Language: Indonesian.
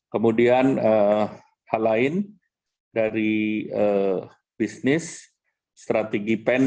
kemudian hal lain dari bisnis strategi pen